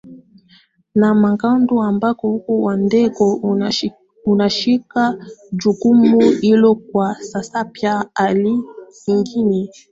na Magadu ambapo Ukoo wa Mdengo unashika jukumu hilo kwa sasaPia hali nyingine